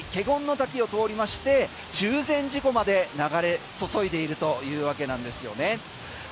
滝を通りまして中禅寺湖まで流れついているというわけなんですよね。